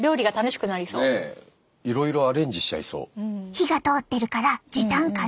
火が通ってるから時短可能！